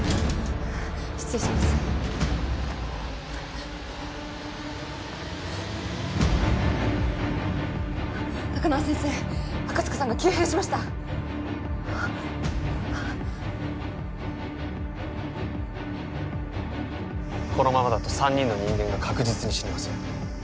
失礼します高輪先生赤塚さんが急変しましたこのままだと３人の人間が確実に死にます